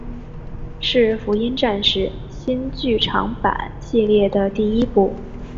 是福音战士新剧场版系列的第一部。